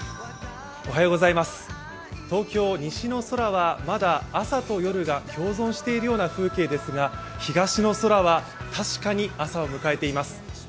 東京、西の空はまだ朝と夜が共存しているような風景ですが東の空は確かに朝を迎えています。